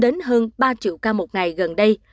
đến hơn ba triệu ca một ngày gần đây